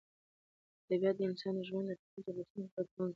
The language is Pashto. طبیعت د انساني ژوند د ټولو ضرورتونو پوره کوونکی دی.